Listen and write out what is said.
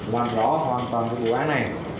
hoàn rõ hoàn toàn về vụ án này